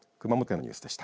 熊本県のニュースでした。